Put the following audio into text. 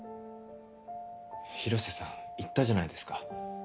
広瀬さん言ったじゃないですか。